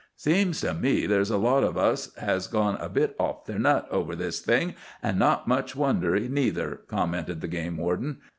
"Seems to me there's a lot of us has gone a bit off their nut over this thing, an' not much wonder, neither," commented the game warden.